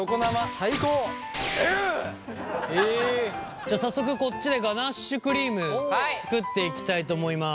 じゃあ早速こっちでガナッシュクリーム作っていきたいと思います。